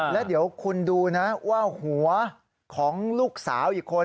แล้วเดี๋ยวคุณดูนะว่าหัวของลูกสาวอีกคน